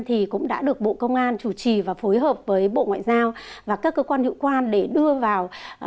thì cũng đã được bộ công an chủ trì và phối hợp với bộ ngoại giao và các cơ quan hữu quan để đưa vào